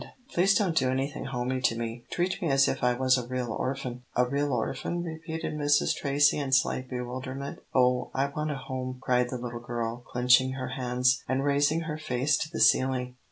"Please don't do anything homey to me. Treat me as if I was a real orphan." "A real orphan," repeated Mrs. Tracy, in slight bewilderment. "Oh, I want a home," cried the little girl, clenching her hands, and raising her face to the ceiling.